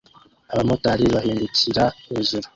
Abamotari bahindukira hejuru